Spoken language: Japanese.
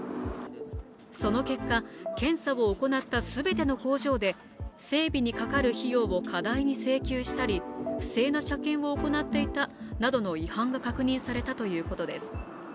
その結果、検査を行った全て工場で整備にかかる費用を過大に請求したり不正な車検を行っていたなどの違反が確認されたということです。